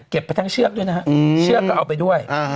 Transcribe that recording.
เก็บไปทั้งเชือกด้วยนะฮะอืมเชือกก็เอาไปด้วยอ๋อฮะ